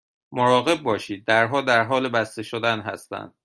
مراقب باشید، درها در حال بسته شدن هستند.